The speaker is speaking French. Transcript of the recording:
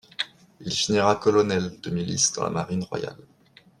Il finira colonel de milice dans la marine royale.